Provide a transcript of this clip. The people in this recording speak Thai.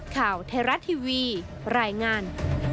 ข่าวเทราะทีวีรายงาน